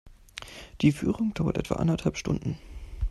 Die Führung dauert etwa anderthalb Stunden.